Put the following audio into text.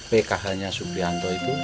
pkhnya suprianto itu